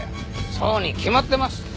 そうに決まってます。